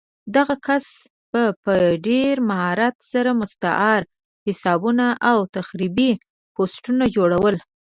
دغه کس به په ډېر مهارت سره مستعار حسابونه او تخریبي پوسټونه جوړول